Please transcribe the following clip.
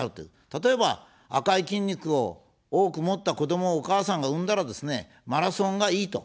例えば、赤い筋肉を多く持った子どもをお母さんが産んだらですね、マラソンがいいと。